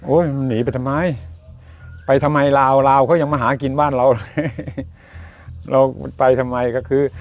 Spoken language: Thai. มันหนีไปทำไมไปทำไมลาวลาวเขายังมาหากินบ้านเราเราไปทำไมก็คือ